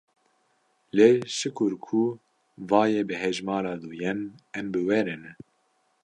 Lê şikur ku va ye bi hejmera duyem em bi we re ne.